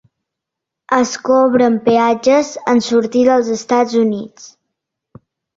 Es cobren peatges en sortir dels Estats Units.